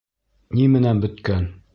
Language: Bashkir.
Ни менән бөткән?